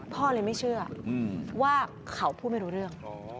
พ่อเลยไม่เชื่อว่าเขาพูดไม่รู้เรื่อง